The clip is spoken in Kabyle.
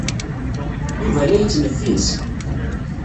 Yuba la yettneffis.